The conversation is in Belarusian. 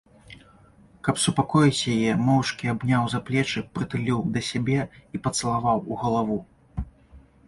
Каб супакоіць яе, моўчкі абняў за плечы, прытуліў да сябе і пацалаваў у галаву.